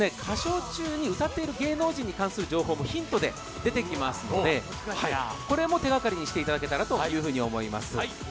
歌唱中に歌っている芸能人に関する情報もヒントで出てきますので、これも手がかりにしていただけたらというふうに思います。